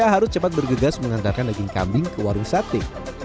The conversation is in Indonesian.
harus cepat bergegas mengantarkan daging kambing ke warung sate